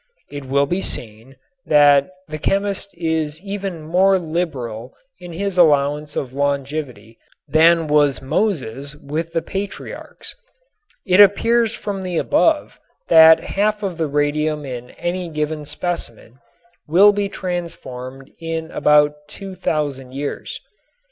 It will be seen that the chemist is even more liberal in his allowance of longevity than was Moses with the patriarchs. It appears from the above that half of the radium in any given specimen will be transformed in about 2000 years.